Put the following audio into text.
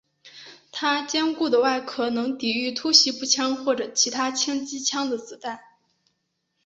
他坚固的外壳能抵御突袭步枪或者其他轻机枪的子弹。